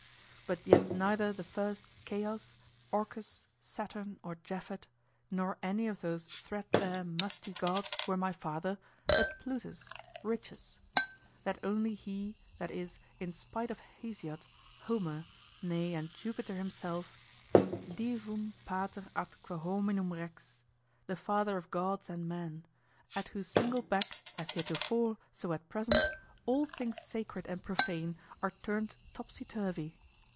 But yet neither the first Chaos, Orcus, Saturn, or Japhet, nor any of those threadbare, musty gods were my father, but Plutus, Riches; that only he, that is, in spite of Hesiod, Homer, nay and Jupiter himself, divum pater atque hominum rex, the father of gods and men, at whose single beck, as heretofore, so at present, all things sacred and profane are turned topsy turvy.